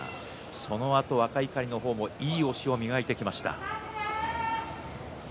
そのあと若碇の方もいい押しを磨いてきました。